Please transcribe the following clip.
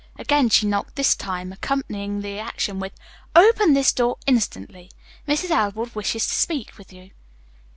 Again she knocked, this time accompanying the action with: "Open this door, instantly. Mrs. Elwood wishes to speak with you."